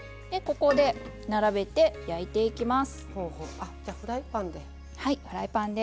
ここで並べて焼いていきます。